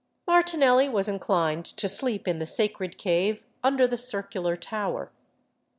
Martlnelli was inclined to sleep in the sacred cave under the circu lar tower.